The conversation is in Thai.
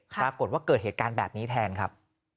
ปรากฏว่าเกิดเหตุการณ์แบบนี้แทนครับ